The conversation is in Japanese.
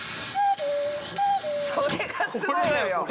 それがすごいのよ！